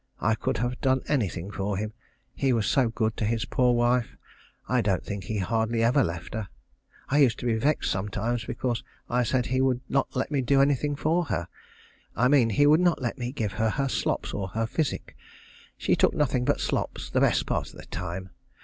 I could have done anything for him, he was so good to his poor wife. I don't think he hardly ever left her. I used to be vexed sometimes because I said he would not let me do anything for her. I mean he would not let me give her her slops or her physic. She took nothing but slops the best part of the time.